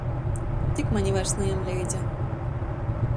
Tik mani vairs najam leidza.